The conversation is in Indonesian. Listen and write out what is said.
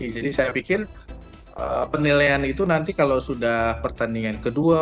jadi saya pikir penilaian itu nanti kalau sudah pertandingan kedua